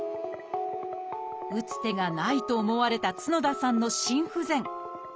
打つ手がないと思われた角田さんの心不全。